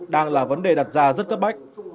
đang là vấn đề đặt ra rất cấp bách